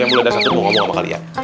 yang mulai dah satu mau ngomong sama kalian